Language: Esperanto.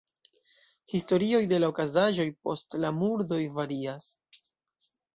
Historioj de la okazaĵoj post la murdoj varias.